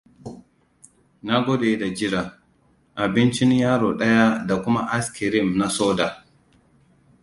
Na gode da jira. Abincin yaro ɗaya da kuma askirim na soda.